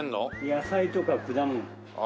野菜とか果物。